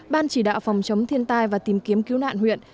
ban chỉ đạo phòng chống thiên tai và tìm kiếm cứu nạn huyện